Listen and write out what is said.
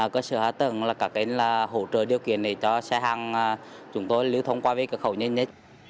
có sự hóa tầng hỗ trợ điều kiện cho xe hàng chúng tôi lưu thông qua về cửa khẩu nhanh nhất